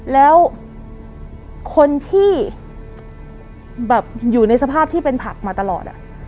แล้วคนที่แบบอยู่ในสภาพที่เป็นผักมาตลอด